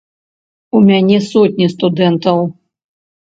У мяне сотні студэнтаў.